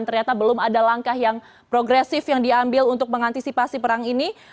ternyata belum ada langkah yang progresif yang diambil untuk mengantisipasi perang ini